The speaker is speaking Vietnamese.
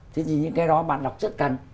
thế thì những cái đó bạn đọc rất cần